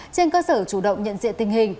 trên cơ sở chủ động nhận diện tình hình